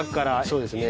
そうですね。